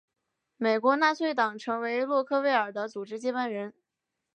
美国纳粹党成为洛克威尔的组织接班人。